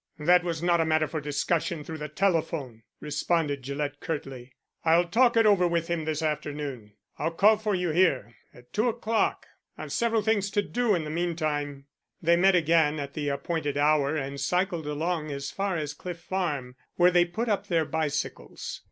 "That was not a matter for discussion through the telephone," responded Gillett curtly. "I'll talk it over with him this afternoon. I'll call for you here, at two o'clock. I've several things to do in the meantime." They met again at the appointed hour and cycled along as far as Cliff Farm, where they put up their bicycles.